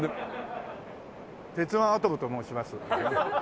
鉄腕アトムと申します。